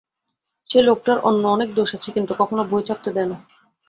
সে লোকটার অন্য অনেক দোষ আছে, কিন্তু কখনো বই ছাপতে দেয় না।